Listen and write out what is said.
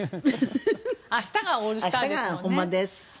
明日がオールスターですもんね。